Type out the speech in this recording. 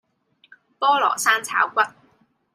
菠蘿生炒骨